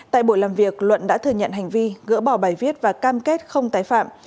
tại buổi làm việc luận đã thừa nhận hành vi gỡ bỏ bài viết và cam kết không tái phạm